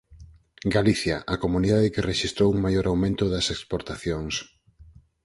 Galicia, a comunidade que rexistrou un maior aumento das exportacións